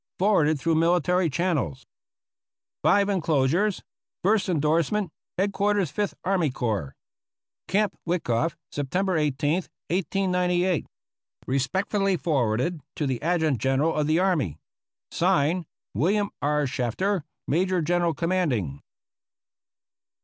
Forwarded through military channels. (S enclosures.) First Endorsement. Head quarters Fifth Army Corps. Camp Wikoff, September i8, 1898. Respectfully forwarded to the Adjutant General of the Army. (Signed) William R. Shafter, Major General Commanding.